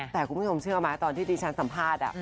แต่คุณผู้ชมเชื่อไหมตอนที่ดิฉันสัมภาษณ์